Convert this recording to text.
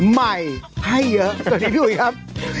ใหม่ให้เยอะสวัสดีทุกคนครับ